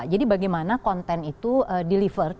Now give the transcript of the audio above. jadi bagaimana konten itu delivered